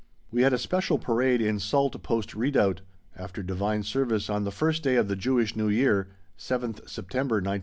We had a special parade in "Salt" post redoubt, after Divine Service on the first day of the Jewish New Year (7th September, 1918).